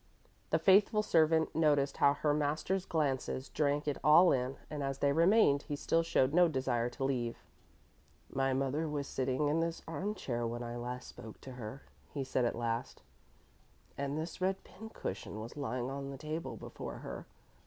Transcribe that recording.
The faithful servant noticed how her master's glances drank it all in and as they remained he still showed no desire to leave. "My mother was sitting in this arm chair when I last spoke to her," he said at last, "and this red pin cushion was lying on the table before her.